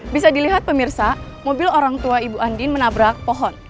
bisa dilihat pemirsa mobil orang tua ibu andin menabrak pohon